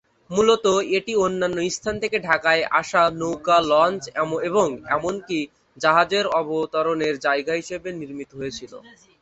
মূলত, এটি অন্যান্য স্থান থেকে ঢাকায় আসা নৌকা, লঞ্চ এবং এমনকি জাহাজের অবতরণের জায়গা হিসাবে নির্মিত হয়েছিল।